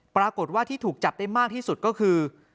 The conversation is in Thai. ปรากฏว่าที่ถูกจับได้มากที่สุดก็คือ